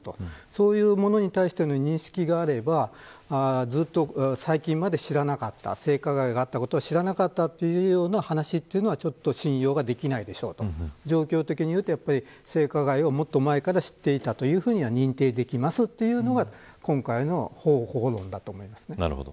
そういうものに対しての認識があればずっと最近まで知らなかった性加害があったことを知らなかったというような話というのはちょっと信用ができないでしょうと状況的に言うと性加害をもっと前から知っていたというふうに認定できますというのが今回の方法論だと思います。